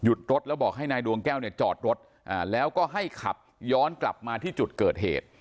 รถแล้วบอกให้นายดวงแก้วเนี่ยจอดรถแล้วก็ให้ขับย้อนกลับมาที่จุดเกิดเหตุ